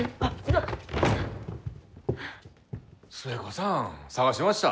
寿恵子さん捜しました。